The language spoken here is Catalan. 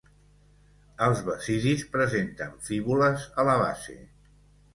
Els basidis presenten fíbules a la base.